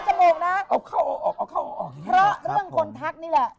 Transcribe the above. เพราะเรื่องคนทักนี่แหละ